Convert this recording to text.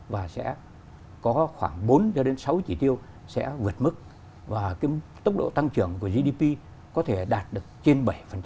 và sẽ có khoảng bốn cho đến sáu chỉ tiêu sẽ vượt mức và tốc độ tăng trưởng của gdp có thể đạt được trên bảy